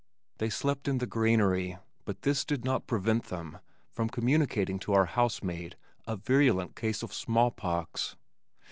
They slept in the granary but this did not prevent them from communicating to our house maid a virulent case of smallpox.